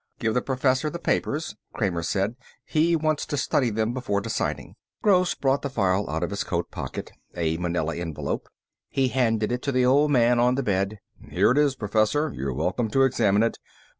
"Give the Professor the papers," Kramer said. "He wants to study them before deciding." Gross brought the file out of his coat pocket, a manila envelope. He handed it to the old man on the bed. "Here it is, Professor. You're welcome to examine it.